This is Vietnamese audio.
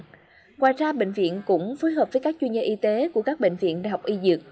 ngoài ra bệnh viện cũng phối hợp với các chuyên gia y tế của các bệnh viện đại học y dược